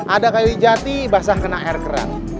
ada kali jati basah kena air kerang